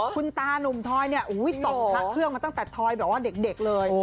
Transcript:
คุณตานุ่มทอยเนี่ยส่องพระเครื่องมาตั้งแต่ทอยแบบว่าเด็กเลย